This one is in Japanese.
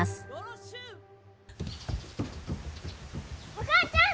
お母ちゃん！